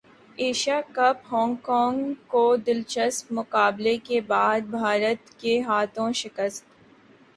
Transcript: Asia Cup Hong Kong کو دلچسپ مقابلے کے بعد بھارت کے ہاتھوں شکست